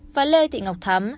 và lê thị ngọc thắm